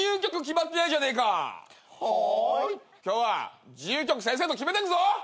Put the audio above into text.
今日は自由曲先生と決めてくぞ！